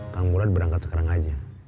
kamulat berangkat sekarang aja